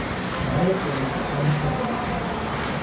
Barrett fue un Católico Romano.